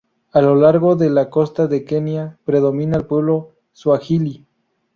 A lo largo de la costa de Kenia, predomina el pueblo Suajili.